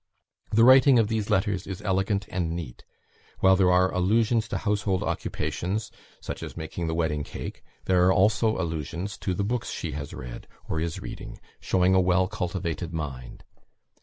The writing of these letters is elegant and neat; while there are allusions to household occupations such as making the wedding cake; there are also allusions to the books she has read, or is reading, showing a well cultivated mind.